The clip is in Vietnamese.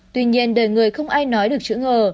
tuy nhiên đời người không ai nói được chữ ngờ